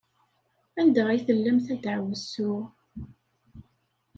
Anda ay tellamt a ddeɛwessu?